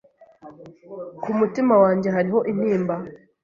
ku mutima wanjye hariho intimba